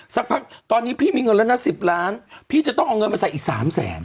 สักพักตอนนี้พี่มีเงินแล้วนะ๑๐ล้านพี่จะต้องเอาเงินมาใส่อีก๓แสน